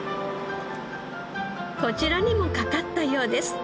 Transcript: こちらにもかかったようです。